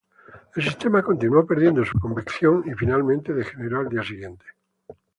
El sistema continuó perdiendo su convección y finalmente degeneró al día siguiente.